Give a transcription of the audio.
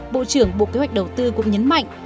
bộ trưởng bộ kế hoạch đầu tư cũng nhấn mạnh